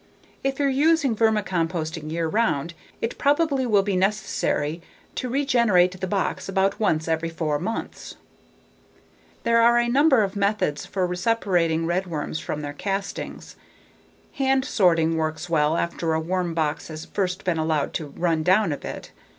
If you're using vermicomposting year round, it probably will be necessary to regenerate the box about once every four months. There are a number of methods for separating redworms from their castings. Hand sorting works well after a worm box has first been allowed to run down a bit.